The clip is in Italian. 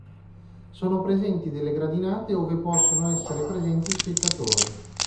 Sono presenti delle gradinate ove possono essere presenti spettatori.